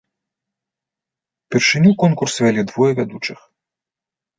Упершыню конкурс вялі двое вядучых.